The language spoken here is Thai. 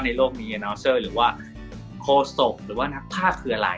โลกนี้เซอร์หรือว่าโคศกหรือว่านักภาพคืออะไร